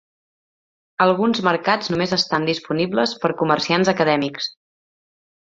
Alguns mercats només estan disponibles per comerciants acadèmics.